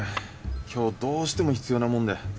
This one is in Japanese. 今日どうしても必要なもんで。